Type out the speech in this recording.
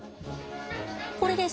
これです。